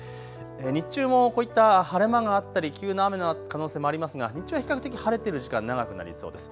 日中もこういった晴れ間があったり急な雨の可能性もありますが日中は比較的晴れている時間、長くなりそうです。